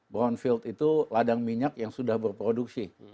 brownfield itu ladang minyak yang sudah berproduksi